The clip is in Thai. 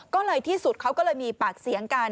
ก็เลยที่สุดเขาก็เลยมีปากเสียงกัน